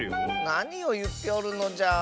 なにをいっておるのじゃ。